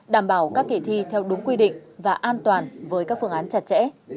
đảm bảo các kỳ thi theo đúng quy định và an toàn với các phương án chặt chẽ